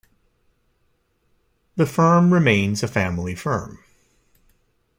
The firm remains a family firm.